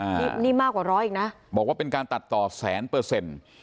นี่นี่มากกว่าร้อยอีกนะบอกว่าเป็นการตัดต่อแสนเปอร์เซ็นต์